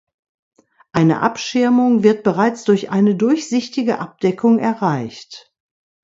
Eine Abschirmung wird bereits durch eine durchsichtige Abdeckung erreicht.